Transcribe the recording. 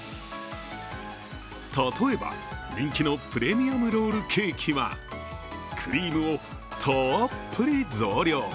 例えば人気のプレミアムロールケーキはクリームをたっぷり増量。